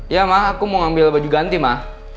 iya ma aku mau ambil baju ganti ma